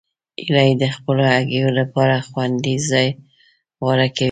هیلۍ د خپلو هګیو لپاره خوندي ځای غوره کوي